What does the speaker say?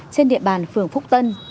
trên địa bàn phường phúc tân